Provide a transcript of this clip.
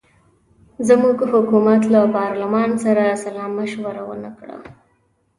زموږ حکومت له پارلمان سره سلامشوره ونه کړه.